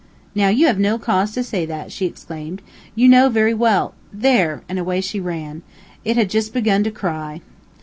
"Now you have no cause to say that," she exclaimed. "You know very well , there!" and away she ran. It had just begun to cry!